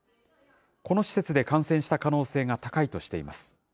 この施設で感染した可能性が高いとしています。